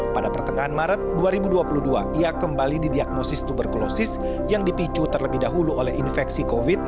pada pertengahan maret dua ribu dua puluh dua ia kembali didiagnosis tuberkulosis yang dipicu terlebih dahulu oleh infeksi covid sembilan belas